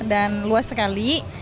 dan luas sekali